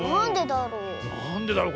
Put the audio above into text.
なんでだろう？